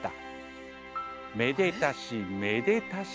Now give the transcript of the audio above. めでたしめでたし。